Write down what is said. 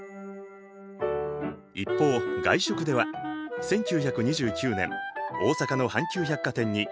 一方外食では１９２９年大阪の阪急百貨店に大食堂がオープン。